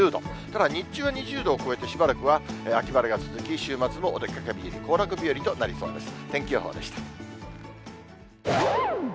ただ、日中は２０度を超えて、しばらくは秋晴れが続き、週末もお出かけ日和、行楽日和となりそうです。